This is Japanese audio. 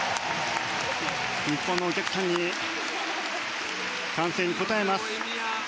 日本のお客さんの歓声に応えます。